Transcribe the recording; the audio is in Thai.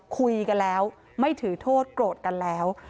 คุยกันแล้วไม่ถือโทษโกรธกันแล้ว